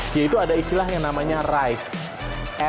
yaitu ada istilah yang namanya ride